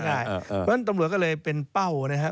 เพราะฉะนั้นตำรวจก็เลยเป็นเป้านะครับ